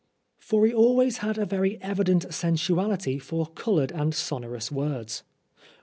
For he always had a very evident sensuality for coloured and sonorous words.